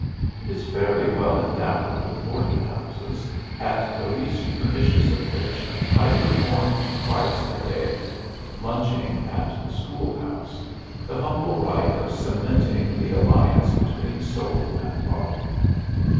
It is fairly well endowed with boarding houses, at the least pernicious of which I performed twice a day (lunching at the schoolhouse) the humble rite of cementing the alliance between soul and body.